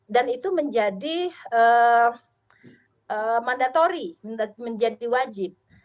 dan itu menjadi mandatory menjadi wajib